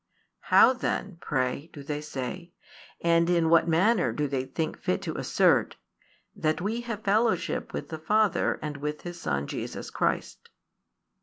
How then, pray, do they say, and in what manner do they think fit to assert, that we have fellowship with the Father and with His Son Jesus Christ?